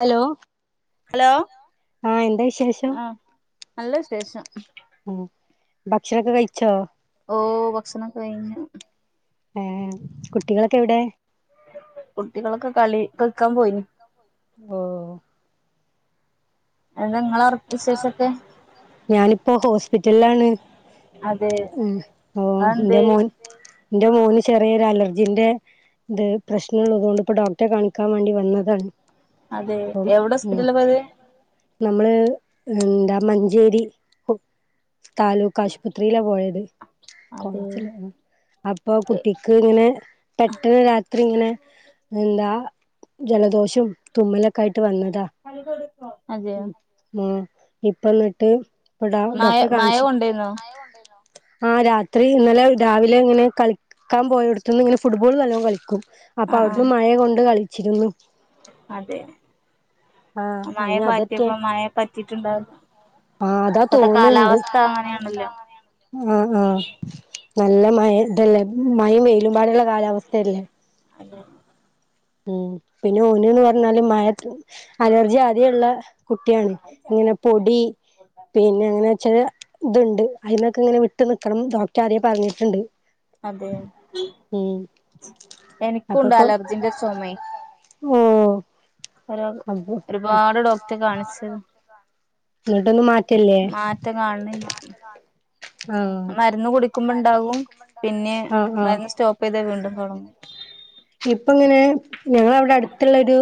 Hello hello ആഹ് എന്താ വിശേഷം? ആഹ് നല്ല വിശേഷം. ആഹ് ഭക്ഷണൊക്കെ കഴിച്ചോ ഓഹ് ഭക്ഷണൊക്കെ കഴിഞ്ഞ് ഏഹ് കുട്ടികളൊക്കെ എവിടെ കുട്ടികളൊക്കെ കളി കൾക്കാൻ പോയിന് ഓഹ് എന്താ ഇങ്ങളൊ ഞാനിപ്പോ ഹോസ്പിറ്റലിലാണ് അതെ ഉം ഓഹ് അതെന്തേ ന്റെ മോൻ ന്റെ മോന് ചെറിയൊരു അലർജിന്റെ ഇത് പ്രശ്നം ഉള്ളതുകൊണ്ടിപ്പോ ഡോക്ടറെ കാണിക്കാൻ വേണ്ടി വന്നതാണ്. അതെ അപ്പം എവിടെ ഉം ഹോസ്പിറ്റലിലാ പോയത് നമ്മള് എന്താ മഞ്ചേരി താലൂക്ക് ആശുപത്രിയിലാ പോയത് അതെ കോളേജിലാണ് അപ്പൊ കുട്ടിക്ക് ഇങ്ങനെ പെട്ടെന്ന് രാത്രി ഇങ്ങനെ എന്താ ജലദോഷോം തുമ്മലൊക്കെ ആയിട്ട് വന്നതാ അതെയാ ഉം ഇപ്പ ഇന്നിട്ട് ഇപ്പൊ മയ ഡോക്ടറെ മഴ കാണിച്ചു കൊണ്ടേന്നോ ആഹ് രാത്രി ഇന്നലെ രാവിലെ ഇങ്ങനെ കളിക്ക്‌ ക്കാൻ പോയോടുത്ത്ന്ന് ഇങ്ങനെ ഫുട്ബോൾ നല്ലോം കളിക്കും അപ്പൊ ആഹ് അവിടുന്ന് ആഹ് മഴ കൊണ്ട് കളിച്ചിരുന്നു. അതെ ആഹ് മഴെ അയിന് അതറ്റെ പാറ്റിയപ്പൊ മഴെ പറ്റിട്ടുണ്ടാവും ആഹ് അതാ ഇപ്പൊത്തെ തോന്ന്ണ്ട് കാലാവസ്ഥ കാലാവസ്ഥ അങ്ങനെയാണല്ലോ അങ്ങനെയാണല്ലോ. ആഹ് ആഹ് നല്ല മഴ ഇണ്ടല്ലേ മഴയും വെയിലും പാടള്ള കാലാവസ്ഥയല്ലേ അതെ ഉം പിന്നെ ഓന് ന്ന് പറഞ്ഞാല് മയ അലർജി ആദ്യെയുള്ള കുട്ട്യാണ് ഇങ്ങനെ പൊടി പിന്നെ അങ്ങനെ വെച്ചല് ഇതുണ്ട് അയിനൊക്കെ ഇങ്ങനെ വിട്ട് നിക്കണം ന്ന് ഡോക്ടർ ആദ്യെ പറഞ്ഞിട്ടുണ്ട് അതെ ഉം എനിക്കുണ്ട് അലർജിന്റെ ചൊമെയ് ഉം [inaudible] ഒരുപാട് ഡോക്ടർ കാണിച്ചേനു എന്നിട്ടൊന്ന് മാറ്റല്ലേ മാറ്റം കാണണില്ല ആഹ് മരുന്ന് കുടിക്കുമ്പോ ഉണ്ടാവും പിന്നെ ആഹ് ആഹ് മരുന്ന് സ്റ്റോപ്പ് ഇപ്പൊ ഇതേ വീണ്ടും തുടങ്ങും ഇപ്പ എങ്ങനെ ഞങ്ങളവിടെ അടുത്തുള്ളൊരു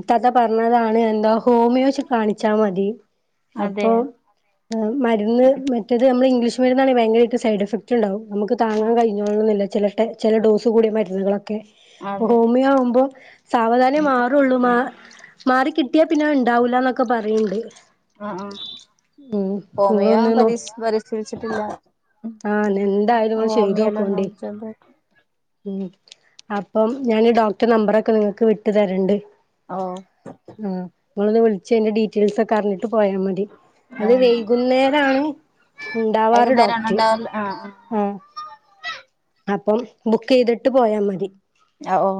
ഇത്താത്തെ പറഞ്ഞതാണ് എന്താ ഹോമിയോ കാണിച്ചാ മതി അതെ അപ്പൊ മരുന്ന് മറ്റേത് നമ്മള് ഇംഗ്ലീഷ് മരുന്നാണെങ്കിൽ ഭയങ്കരമായിട്ട് സൈഡ് എഫക്ട് ഇണ്ടാവും നമുക്ക് ആ താങ്ങാ കഴിഞ്ഞഞോളണന്നില്ല ചെല ടൈ ചെല ഡോസ് കൂടിയ മരുന്നുകളൊക്കെ അതെ ഹോമിയോ ആവുമ്പോ സാവധാനേ മാറുള്ളൂ മാ മാറിക്കിട്ടി കിട്ടിയ പിന്നെ ഉണ്ടാവൂലന്നൊക്കെ പറയണ്ട് ആ ആ ഉം നിങ്ങള് ഒന്ന് നോ വരേം ചികിത്സിച്ചിട്ടില്ല ഉം ആഹ് എന്തായാലും നിങ്ങൾ ഹോമിയോലൊന്ന് [unintelligible] [inaudible] ഉ അപ്പം ഞാന് ഡോക്ടർടെ നമ്പറൊക്കെ നിങ്ങൾക്ക് വിട്ടു തരണ്ട് ഓ ഊം നിങ്ങളൊന്ന് വിളിച്ച് അയിന്റെ ഡീറ്റെയിൽസൊക്കെ അറിഞ്ഞിട്ട് പോയാ മതി.. ആ അത് വൈകുന്നേരാണ് ഉണ്ടാവാറ് വൈകുന്നേരാണോ ഡോക്ടറ് ഉണ്ടാവല് ആ ഊം അപ്പം ബുക്ക് ചെയ്തിട്ട് പോയാ മതി ആ ഓ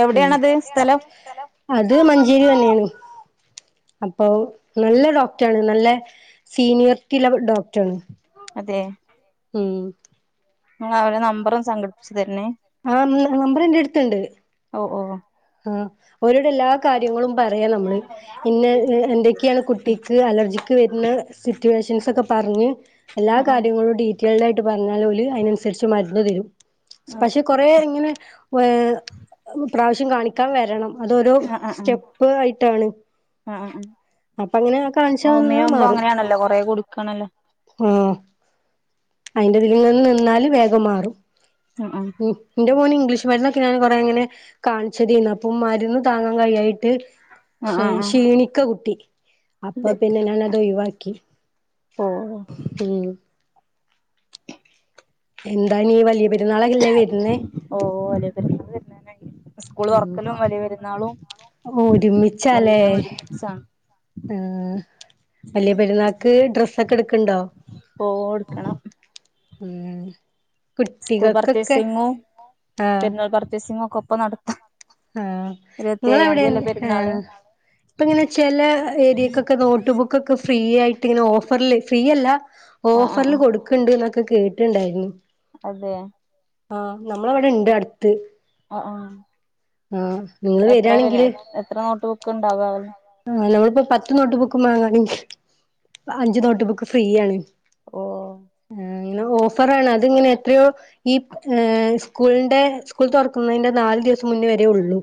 എവിടെയാണത് സ്ഥലം അത് മഞ്ചേരി തന്നെയാണ് അപ്പൊ നല്ല ഡോക്ടറാണ് നല്ല സീനിയറിറ്റീള്ള ഡോക്ടർണ് അതെ ഉം നിങ്ങൾ അവടെ നമ്പറൊന്ന് സംഘടിപ്പി ച്ച് തരണേ ആം നമ്പറെന്റെ അടുത്തുണ്ട് ഓ ഓ ആഹ് ഒരോട് എല്ലാ കാര്യങ്ങളും പറയാ ആ നമ്മള് ഇന്നെ എന്തെ ക്ക്യേ കുട്ടിക്ക് അലർജിക്ക് വരുന്ന സിറ്റുവേഷൻസ് ഒക്കെ പറഞ് എല്ലാ ആ കാര്യങ്ങളും ഡീ റ്റെയിൽഡായിട്ട് പറഞ്ഞാല് ഓല് അതിനനുസരിച്ച് മരുന്ന് തരും പക്ഷെ ഓക്കെ കൊറേ ഇങ്ങനെ ഏ പ്രാവശ്യം കാണിക്കാൻ വരണം അതൊരോ സ്റ്റെപ്പ് ആയിട്ടാണ് ആഹ് ആഹ് അപ്പൊ അങ്ങനെ കാണിച്ചാ വന്നാ ഹോമിയാവുമ്പോ അങ്ങനെയാണല്ലോ കൊറേ കുടിക്കണല്ലോ ഉം അയിന്റെ ഇതിൽ ങ്ങനെ നിന്നാല് വേഗം മാറും ആഹ് ആഹ് ഉം ന്റെ മോന് ഇംഗ്ലീഷ് മരുന്നൊക്കെ ഞാൻ കൊറെങ്ങനെ കാണിച്ച തേനി അപ്പം മരുന്ന് താങ്ങാൻ കൈയായിട്ട് ആഹ് ആഹ് ആഹ് ക്ഷീണിക്ക കുട്ടി അപ്പൊ അതെ പിന്നെ ഞാനത് ഒഴിവാക്കി ഓഹ് ഉം എന്താണീ വലിയ പെരുന്നാളല്ലേ വരുന്നേ ഓ വലിയ പെരുന്നാള് വരാറായി സ്കൂൾ തൊറക്കലും വലിയ പെരുന്നാളും ഓ ഒരുമിച്ചാലേ സം ആഹ് വലിയ പെരുന്നാക്ക് ഡ്രസ്സൊക്കെ ഇട്ക്ക്ണ്ടോ ഓ ഇട്ക്കണം ഉം സ്കൂൾ കുട്ടികള്ക്കൊക്കെ പർച്ചേസിങ്ങും ആഹ് പെരുന്നാൾ പർച്ചേസിങ്ങും ഒക്കെ ഒപ്പം നടത്താം ആഹ് ഇരുപത്തി ഏഴാം ഇങ്ങളെവിടെ തീയതി അല്ലേ ഹേ പെരുന്നാള് ഇപ്പ ഇങ്ങനെ ചെല ഏരിയക്കൊക്കെ നോട്ട്ബുക്ക് ക്കൊക്കെ ഫ്രീ ആയിട്ട് ഇങ്ങനെ ഓഫറില് ഫ്രീയല്ല ആഹ് ആഹ് ഓഫറിൽ ആഹ് കൊടു ക്ക്ണ്ട് ന്നൊക്കെ കേട്ടിണ്ടായിരുന്നു അതെ ആഹ് നമ്മളെ വിടെ ഇണ്ട് അട്ത്ത് ആഹ് ആഹ് ആഹ് ഇങ്ങള് എത്ര പേര് വരാണെങ്കില് എത്ര നോട്ട് ബുക്ക് ഇണ്ടാകാവലെ ആഹ് ഞമ്മളിപ്പം പത്ത് നോട്ട് ബുക്ക് വാങ്ങാണെങ്കിൽ അഞ്ചു നോട്ട് ബുക്ക് ഫ്രീ ആണ് ഓഹ് ആഹ്അങ്ങനെ ഓഫറാണ് അതിങ്ങനെ എത്രയോ ഈ ഏഹ് സ്കൂളിന്റെ സ്കൂൾ തൊറക്കുന്നതിന്റെ നാല് ദിവസം മുന്നേ വരേ ഒള്ളൂ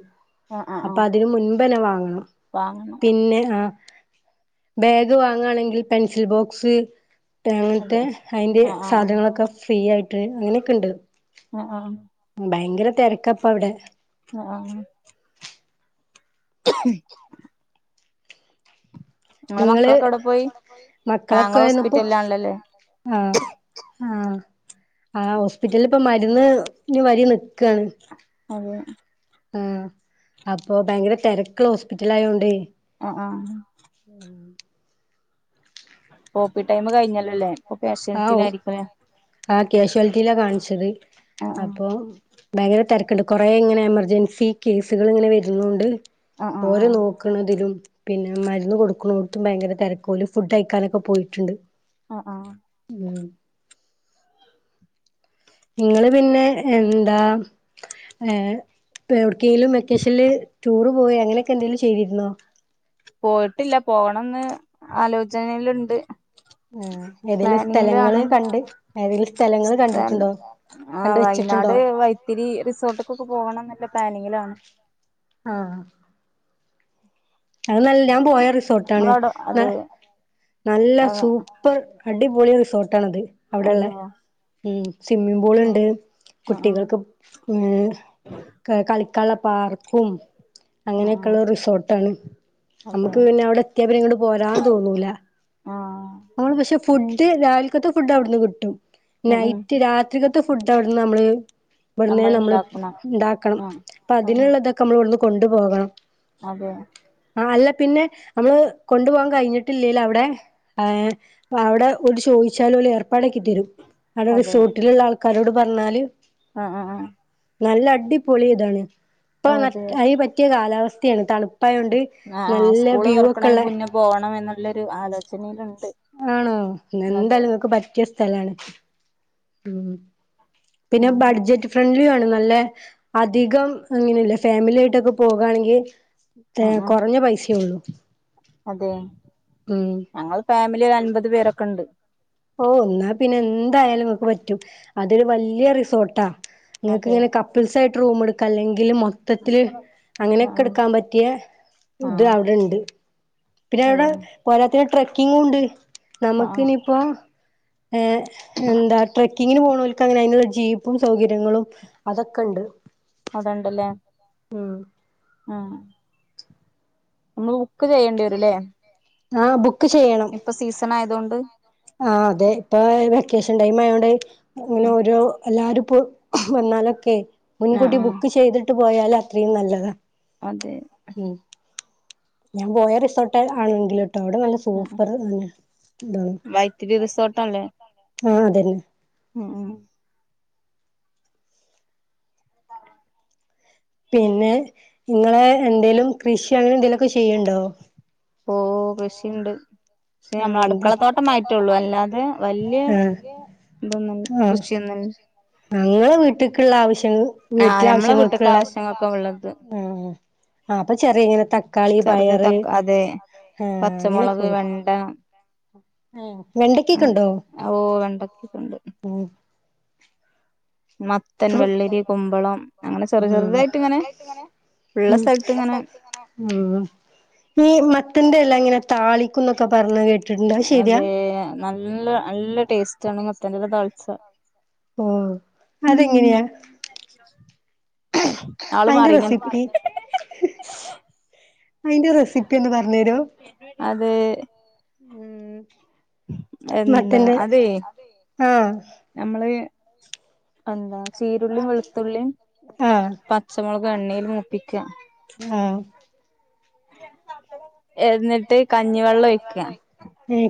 ആഹ് ആഹ് അപ്പം ആഹ് അതിന് മുൻപെന്നെ വാങ്ങണം വാങ്ങണം പിന്നെ ആഹ് ബാഗ് വാങ്ങ്ണെങ്കിൽ പെൻസിൽ ബോക്സ് അങ്ങനത്തെ അതെ അയിന്റെ ആഹ് ആഹ് ആഹ് സാധനങ്ങളൊക്കെ ഫ്രീ ആയിട്ട് അങ്ങനെയൊക്കെ ഇണ്ട് ആഹ് ആഹ് ഭയങ്കര തെരക്കപ്പ വിടെ ആഹ് [inaudible] നിങ്ങളെ ഇങ്ങള് മക്കളൊക്കെ എവിടെ പോയി ആഹ് മക്കളൊക്കെ ഇങ്ങള് ഇന്ന്പ്പം ഹോസ്പിറ്റലിലാണല്ലോല്ലേ ആഹ് ആഹ് ആഹ് ഹോസ്പിറ്റലിലിപ്പം മരുന്ന് ന് വരി നിക്കാണ് അതേ ആഹ് അപ്പൊ ഭയങ്കര തെരക്ക്ള്ള ഹോസ്പിറ്റൽ ആയോണ്ടെ ആഹ് ആഹ് ഉം ഓപി ടൈം കഴിഞ്ഞല്ലേലഇപ്പം കാശുലിറ്റിയിൽ ആയിരിക്കും ലെ ആഹ് ക്യാഷ്വാലിറ്റിയിലാ കാണിച്ചത് ആ അപ്പൊ ഭയങ്കര തെരക്ക്ണ്ട് കൊറേ ഇങ്ങനെ എമർജൻസി കേസുകൾ ഇങ്ങനെ വരുന്നൊണ്ട് ആ ആ ആ ഓരോ ആ നോ നോക്കണതിലും പിന്നെ മരുന്ന് കൊടുക്കുണൊട്ത്തും ഭയങ്കര തെരക്ക് ഫുഡ് കയിക്കാനൊക്കെ പോയിട്ട്ണ്ട് ആഹ് ആഹ് ഉം ഇങ്ങള് പിന്നെ എന്താ ആഹ് എവിടേക്കെങ്കിലും വെക്കേഷനില് ടൂറ് പോവേ അങ്ങനെയൊക്കെ എന്തെങ്കിലും ചെയ്തിരുന്നോ പോയിട്ടില്ല പോകണംന്ന് ആലോചനയിലുണ്ട് ഉം ഏതേലും സ്ഥലങ്ങള് പ്ലാനിങ്ങിലാണ് കണ്ട് ഏതെങ്കിലും സ്ഥലങ്ങള് കണ്ടിട്ടുണ്ടോ കണ്ട് ആഹ് വയനാട് വെച്ചിട്ടുണ്ടോ വൈത്തിരി റിസോർട്ടക്കൊക്കെ പോകണംന്ന്ള്ള പ്ലാനിങ്ങിലാണ് ആഹ് അത് നല്ല ഞാൻ പോയ റിസോർട്ടാണ് നിങ്ങളോടോ ന അതെ നല്ല ആ സു പ്പർ അടിപൊളി റിസോർട്ട് ആണത് അതെയോ ഉം സ്വിമ്മിംഗ് പൂൾ ആ ണ്ട് ആ ആ കുട്ടികൾക്കും ഉം കളി കളിക്കാള്ള പാർക്കും ആ ആ അങ്ങനെയൊക്കെള്ള റിസോ ട്ടാണ് അതെ നമ്മക്ക് പിന്നെ അവിടെ എത്തിയാ പിന്നെ ഇങ്ങട്ട് പോരാൻ തോന്നൂല ആ നമ്മള് പക്ഷെ ഫുഡ് രാവില്ക്കത്തെ ഫുഡ് അവിടുന്ന് കിട്ടും ഉം ഉം നൈറ്റ് രാത്രിക്കത്തെ ഫുഡ് അവിടന്ന് നമ്മള് ഇവിട്ന്നേ നമ്മൾ നമ്മള് ഉണ്ടാക്കണം ഉണ്ടാക്കണം ആ അപ്പം ആ അതിനുള്ളതൊക്കെ നമ്മള് ഇവിടുന്ന് കൊണ്ടുപോകണം അതെ ആഹ് അല്ല പിന്നെ നമ്മള് കൊണ്ടു പോകാൻ കഴിഞ്ഞിട്ടില്ലേൽ അവിടെ ഏഹ് അവിടെ ഒരട് ചോയിച്ചാല് ഓല് ഏർപ്പാടാക്കി തരും അടെ റിസോർട്ടില്ള്ള ആൾക്കാരോട് പറ്ഞ്ഞാല് ആഹ് ആഹ് ആഹ് നല്ല അടിപൊളി ഇതാണ് ഇപ്പം അതെ അയിന് പറ്റിയ കാലാവസ്ഥയാണ് തണുപ്പായോണ്ട് ആ ആ നല്ല സ്കൂള് വ്യൂ ഒക്കെ തുറക്കണേന് ള്ളെ മുന്നേ പോണം എന്നുള്ളൊരു ആലോചനയിലുണ്ട് ആണോ ന്നാ അതെ എന്തായാലും ങ്ങക്ക് പറ്റിയ സ്ഥലാണ് ഉം പിന്നെ ആഹ് ബഡ്ജറ്റും ഫ്രണ്ട്ലി ആണ് നല്ല അധികം അങ്ങനെയല്ല ഫാമിലി ആയിട്ടൊക്കെ പോകാണെങ്കി തേ ആ ആ കുറഞ്ഞ പൈസേ ഒള്ളൂ അതെ ഞങ്ങൾ ഫാമിലി ഒരഅൻപത് പേരൊക്കെ ണ്ട് ഓഹ് ന്നാ പിന്നെ എന്തായാലും നിങ്ങൾക്ക് പറ്റും അതൊരു വല്ല്യയ റിസോർട്ടാ ഇങ്ങക്ക് അതെ ഇങ്ങനെ കപ്പിൾസ് ആയിട്ട് റൂം എടുക്ക അല്ലെങ്കിൽ മൊത്തത്തില് ആ ആ അങ്ങനെയൊക്കെ എടുക്കാൻ പ റ്റിയ ആ ഇത് അവിടെണ്ട് പിന്നെ അവിടെ അതെ പോരാത്തന് ട്രക്കിങ്ങും ഉണ്ട് ആ ആ നമുക്ക് ഇനി പ്പോ ഏഹ് എന്താ ട്രക്കിങ്ങിന് പോണോല്ക്ക് അങ്ങനെ അയിനുള്ള ജീപ്പും സൗകര്യങ്ങളും അതൊക്കെ ണ്ട് അവിടണ്ട് ല്ലേ ഉം ആഹ് നമ്മള് ബുക്ക് ചെയ്യണ്ടി വരുംല്ലേ ആഹ് ബുക്ക് ചെയ്യണം സീസണ് ആയതോകൊണ്ട് ആഹ് അതെ ഇപ്പൊ വെക്കേഷൻ ടൈം ആയോണ്ട് ങ്ങനെ ഓരോ എല്ലാരും പ്പോ വന്നാലൊക്കെ ആ മുൻകൂട്ടി ആ ബുക്ക് ചെയ്തിട്ട് പോയാൽ അത്രയും നല്ലതാ അതെ ഉം ഞാൻ പോയ റിസോർട്ട് ആണെങ്കില് ട്ടോ അവിടെ നല്ല സൂപ്പർ തന്നെ താണ് ത്തിരി റിസോർട്ട്ല്ലേ ആഹ് അതന്നെ ആഹ് ആഹ് പിന്നെ ഇങ്ങളെ എന്തേലും കൃഷി അങ്ങനെ എന്തേലും ഒക്കെ ചെയ്യ്ണ്ടോ ഓഹ് കൃഷിണ്ട് പക്ഷെ ആഹ് നമ്മള എന്ത് അടുക്കളത്തോട്ടം ആയിറ്റുള്ളൂ അല്ലാതെ വല്യേ ഇതന്നും ആഹ് ആഹ് കൃഷിയൊന്നൽ ഞങ്ങളെ വീട്ട്ക്ക്ള്ള ആവശ്യങ്ങൾ ആഹ് വീട്ടിലെ നമ്മളെ ആവശ്യങ്ങൾക്ക് വീട്ട്ക്ക് ളേള ആവശ്യങ്ങൾക്കെ ഉള്ളത് ഉം ആഹ് അപ്പ ചെറിയ ഇങ്ങനെ ത ക്കാളി ചെറുത് പയറ് തക്ക ആഹ് അങ്ങനെയൊക്കെ ഉള്ളൂ. ണ്ടാ ഓഹ് വെണ്ടക്കക്കേ ണ്ടോ? ഓ വെണ്ടക്കൊക്കെണ്ട് ഉം മത്തൻ, ഫ്രു വെള്ളരി, കുമ്പളം അങ്ങനെ ചെറു ഉം ചെറുതായിട്ട് ഇങ്ങനെ കുടുംബശ്രീ ആയിട്ട് ങ്ങനെ ഉം ഉള്ള സ്ഥലത്ത് ങ്ങനെ. ഉം ഈ മത്തന്റെ എല ഇങ്ങനെ താളിക്കും ന്നൊക്കെ പർഞ്ഞ് കേ അതെ നല്ല നല്ല ടേസ്റ്റ് ആണ് മത്തന്റെല താൾച്ച. ഓഹ് അതെങ്ങനെയാ? ആള് അയിന്റെ മാറീണ് അൻക്ക് റെസിപ്പി അയിന്റെ റെസിപ്പി ഒന്ന് പർഞ്ഞരോ? അത് ഉം എന്താ മത്തൻ്റെല അതേ അത് ആഹ് നമ്മള് എന്താ ചീരുള്ളിം വെളുത്തുള്ളിം ആഹ് പ ച്ചമുളക് എണ്ണയിൽ മൂപ്പിക്ക. ആഹ് എന്നിട്ട് കഞ്ഞിവള്ളം ഒഴിക്ക. ഏഹ്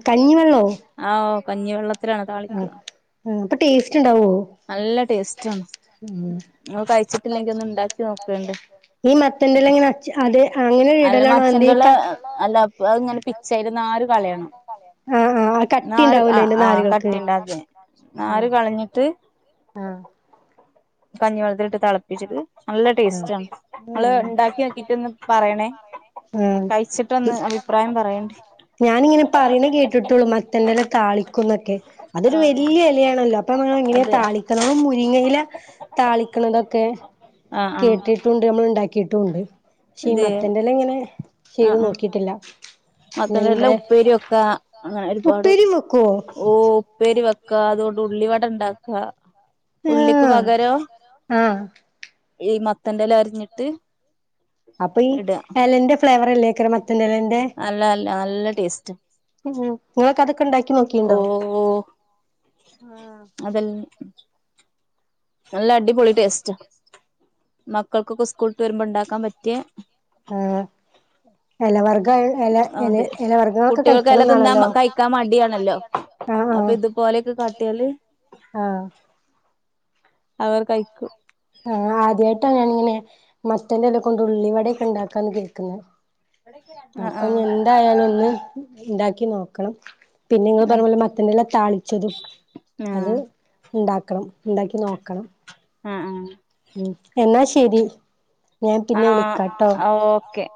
ആഹ് ഓഹ് കഞ്ഞിവെള്ള ഉം ഉം പ്പ ടേസ്റ്റ് ണ്ടാവോ? നല്ല ടേസ്റ്റ് ആണ്. ഉം ങ്ങള് കഴിച്ച് ഈ മത്തന്റെല ങ്ങനെ അച്ച് അത് അങ്ങനെ ഇ അല്ല ടലാണോ മച്ചന്റെല എന്തെക്ക അല്ല അഹ് പ്പ അഹ് ഇങ്ങനെ പിച്ചാ അയിൻ്റെ നാര് കളയണം. ആഹ് ആഹ് കട്ടി നാര് ഉണ്ടാവൂലേ ആഹ് അയിന്റെ ആഹ് നാരുകൾക്ക് കട്ടിണ്ട അത് നാര് ആഹ് കളഞ്ഞിട്ട് ആഹ് കഞ്ഞി വള്ളത്തിലിട്ട് തളപ്പിച്ചിട്ട് നല്ല ടേസ്റ്റ ങ്ങള് ആഹ് ണ്ടാക്കി നോക്കീട്ട്ന്ന് പറയണേ. ആഹ് കഴിച്ചിട്ട് ഒന്ന് അഭിപ്രായം പറയണ്ടി. ഞാനിങ്ങനെ പറയണേ കേട്ടിട്ടുള്ളൂ മത്തന്റെല താളിക്കുംന്നൊക്കെ. അതൊരു ആഹ് വല്യ എലയാണല്ലോ അപ്പ മ്മളെ എങ്ങനെ അതെ താളിക്ക നമ്മള് മുരിങ്ങയില താളിക്ക്ണതൊക്കെ ആഹ് ആഹ് കേട്ടിട്ടുണ്ട് നമ്മൾ ണ്ടാക്കിട്ടുണ്ട്. ശീ അതെ ആഹ് മത്തന്റെലങ്ങനെ ചെയ്ത് നോക്കിട്ടില്ല. മത്തന്റെല്ല പിന്നെന്താ ഉപ്പേരിക്ക അങ്ങനെ ഒരുപാട് ഉപ്പേരിയും വെക്കുവോ ഓഹ് ഉപ്പേരി വെ ക്ക അതോണ്ട് ഉള്ളി വടണ്ടാക്ക ഉള്ളിക്ക് ആഹ് പകരം ആഹ് ഈ മത്തന്റെല അരഞ്ഞിട്ട് അപ്പ ഈ എലന്റെ ഫ്ലേവർ അല്ലേക്കര മത്തന്റെ എലന്റെ? അല്ല അല്ല നല്ല ടേസ്റ്റാ. ഉം ഇങ്ങളക്കെ അതൊക്കെ ണ്ടാക്കി നോക്കിണ്ടോ? ആഹ് അതൽ നല്ല അടിപൊളി ടേസ്റ്റ മക്കൾക്കൊക്കെ സ്കൂള്ട്ട് വരുമ്പോ ണ്ടാക്കാൻ പറ്റിയേ ആഹ് എല വർഗ എല എലേ അതെ എല വർഗങ്ങളൊക്കെ കുട്ടികൾക്കെല്ലാം കഴിക്കണംന്നാണല്ലോ. ആഹ് അപ്പ ആഹ് ഇതുപോലെക്കെ കാട്ടിയാല് ആഹ് അവർ കഴിക്കും. ആ ആദ്യയിട്ടാ ഞാനിങ്ങനെ മത്തന്റെല ഉള്ളി വടെക്കെ ഉണ്ടാക്കാന്ന് കേക്കുന്ന് ആ ആ അപ്പ എന്തായാല ഒന്ന് ഉണ്ടാക്കി നോക്കണം. പിന്നെ ങ്ങൾ പറ യും പോലെ മത്തന്റെല താളിച്ചതും ആ അത് ഉണ്ടാക്കണം ഉണ്ടാക്കി നോക്കണം. ആ ഹ് ഉം എന്നാ ശരി ഞാൻ ആ പിന്നെ വിളിക്കാട്ടോ? ആ ഓക്കെ